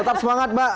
tetap semangat mbak